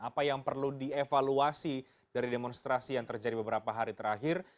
apa yang perlu dievaluasi dari demonstrasi yang terjadi beberapa hari terakhir